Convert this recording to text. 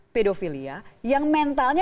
pedofilia yang mentalnya